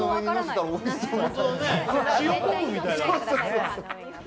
塩昆布みたいだね。